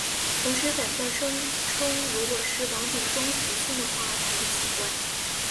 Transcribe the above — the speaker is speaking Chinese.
同时反呛声称如果是王炳忠袭胸的话才不奇怪。